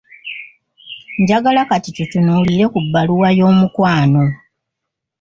Njagala kati tutunuulireko ku bbaluwa y'omukwano.